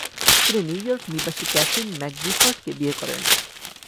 তিনি নিউইয়র্ক নিবাসী ক্যাথরিন ম্যাকগিফার্টকে বিয়ে করেন।